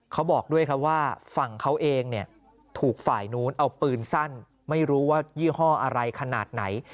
เขาบอกด้วยครับว่าฝั่งเขาเองเนี่ยถูกฝ่ายนู้นเอาปืนสั้นไม่รู้ว่ายี่ห้ออะไรขนาดไหน